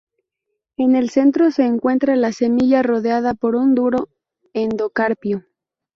En el centro se encuentra la semilla rodeada por un duro endocarpio.